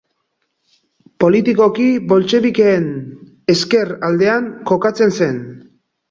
Politikoki boltxebikeen ezker-aldean kokatzen zen.